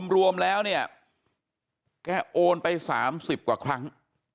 รวมแล้วเนี่ยแกโอนไป๓๐กว่าครั้ง